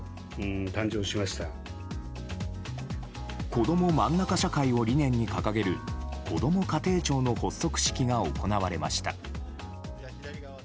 こどもまんなか社会を理念に掲げるこども家庭庁の発足式が行われました。